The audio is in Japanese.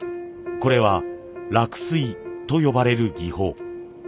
これは落水と呼ばれる技法。